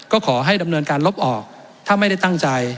ก็ขอให้ดำเนินการลบออกถ้าไม่ได้ตั้งใจ